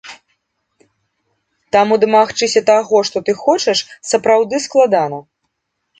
Таму дамагчыся таго, што ты хочаш, сапраўды складана.